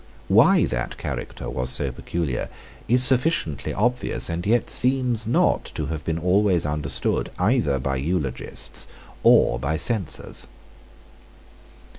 Why that character was so peculiar is sufficiently obvious, and yet seems not to have been always understood either by eulogists or by censors.